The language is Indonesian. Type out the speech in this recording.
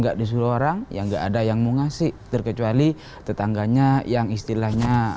ada orang yang gak ada yang mau ngasih terkecuali tetangganya yang istilahnya